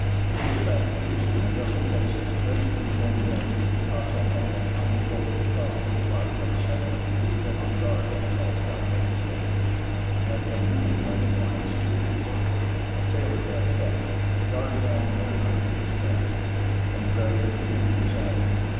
With his back pierced in a dozen places, drenched in his own blood, the Cossack almost tumbled over the prostrate body of a sentinel who had been on guard at a house down by the ship, and had been wounded by the flying spears. A sailor dashed out, a yard long bear knife in his grasp, and dragged the two men inside.